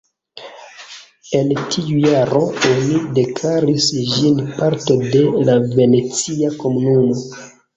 En tiu jaro oni deklaris ĝin parto de la Venecia komunumo.